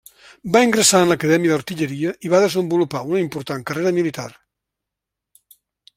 Va ingressar en l'Acadèmia d'Artilleria i va desenvolupar una important carrera militar.